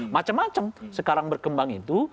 macam macam sekarang berkembang itu